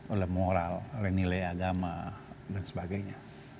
oleh moral oleh nilai agama dan sebagainya